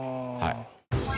はい。